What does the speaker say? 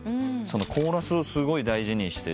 コーラスをすごい大事にしてる。